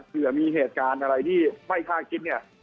เผื่อมีเหตุการณ์อะไรที่ไม่คาดคิดเนี่ย